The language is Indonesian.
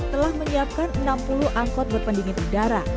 telah menyiapkan enam puluh angkot berpendingin udara